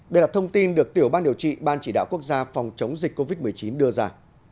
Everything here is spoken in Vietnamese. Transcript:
đây là thông tin được tiểu ban điều trị ban chỉ đạo quốc gia phòng chống dịch covid một mươi chín đưa ra